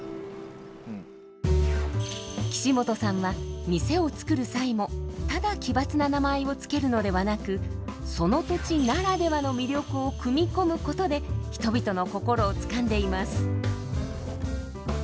岸本さんは店をつくる際もただ奇抜な名前を付けるのではなくその土地ならではの魅力を組み込むことで人々の心をつかんでいます。